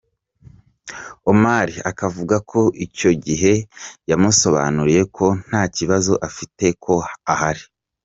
Omar akavuga ko icyo gihe yamusobanuriye ko nta kibazo afite, ko ahari.